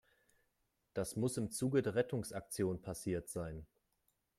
Das muss im Zuge der Rettungsaktion passiert sein.